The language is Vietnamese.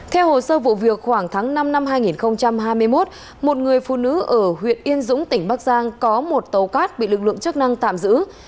theo hồ sơ vụ việc khoảng tháng năm năm hai nghìn hai mươi một một người phụ nữ ở huyện yên dũng tỉnh bắc giang có một tàu cát bị lực lượng chức năng tạm giữ